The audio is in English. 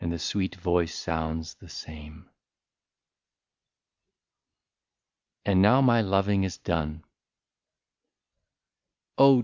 And the sweet voice sounds the same. 19 '^AND NOW MY LOVING IS DONE." " Oh !